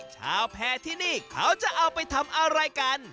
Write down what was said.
แพร่ที่นี่เขาจะเอาไปทำอะไรกัน